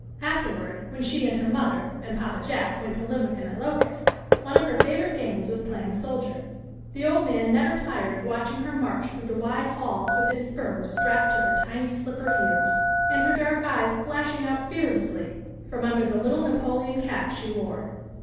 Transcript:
Afterward when she and her mother and * Papa Jack" went to live with him at Locust, one of her favourite games was playing soldier. The old man never tired of watching her march through the wide halls with his spurs strapped to her tiny slipper heels, and her dark eyes flashing out fearlessly froir under the little Napoleon cap she wore.